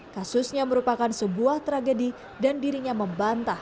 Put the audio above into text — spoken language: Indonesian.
kasusnya merupakan sebuah tragedi dan dirinya membantah